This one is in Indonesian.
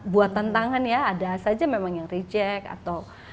buatan tangan ya ada saja memang yang reject atau